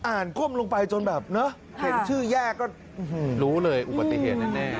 ก้มลงไปจนแบบเนอะเห็นชื่อแยกก็รู้เลยอุบัติเหตุแน่